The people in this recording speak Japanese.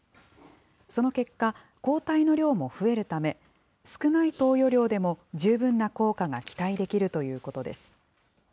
その結果、抗体の量も増えるため、少ない投与量でも十分な効果が期待できるということです。